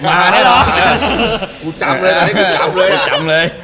กูจำเลยตอนนี้กูจำเลย